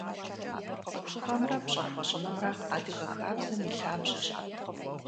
Цӏыхугъэмрэ пщӏэ хуэщӏынымрэ адыгэ хабзэм и лъабжьэщ.